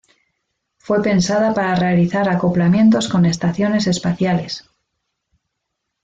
Fue pensada para realizar acoplamientos con estaciones espaciales.